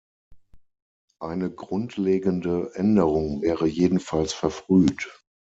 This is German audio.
Eine grundlegende Änderung wäre jedenfalls verfrüht.